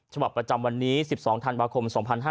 ฉบับประจำวันนี้๑๒ธันวาคม๒๕๕๙